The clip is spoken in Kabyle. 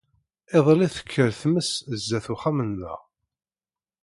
Iḍelli tekker tmes zzat uxxam-nneɣ.